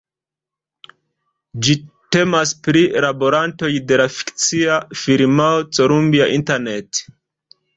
Ĝi temas pri laborantoj de la fikcia firmao Columbia Internet.